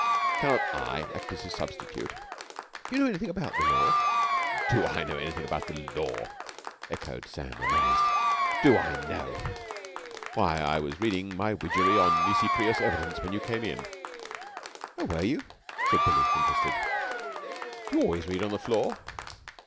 Cannot I act as his substitute?" "Do you know anything about the law?" "Do I know anything about the law!" echoed Sam, amazed. "Do I know ! Why, I was reading my Widgery on Nisi Prius Evidence when you came in." "Oh, were you?" said Billie interested. "Do you always read on the floor."